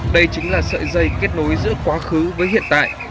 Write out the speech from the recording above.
đây chính là sợi dây kết nối giữa quá khứ với hiện tại